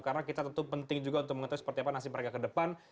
karena kita tentu penting juga untuk mengetahui seperti apa nasib mereka ke depan